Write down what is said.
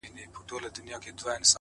د خدای لپاره په ژړه نه کيږي ;;